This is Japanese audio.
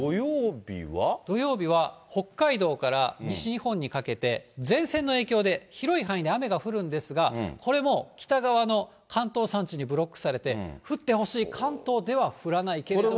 土曜日は、北海道から西日本にかけて、前線の影響で、広い範囲で雨が降るんですが、これも北側の関東山地にブロックされて、降ってほしい関東では降らないけれども。